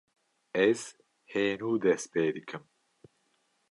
Ez hê nû dest pê dikim.